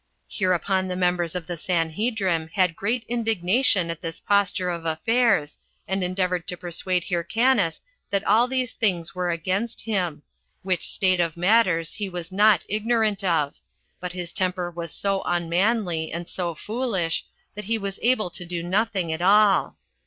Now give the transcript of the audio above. Hereupon the members of the Sanhedrim had great indignation at this posture of affairs, and endeavored to persuade Hyrcanus that all these things were against him; which state of matters he was not ignorant of; but his temper was so unmanly, and so foolish, that he was able to do nothing at all.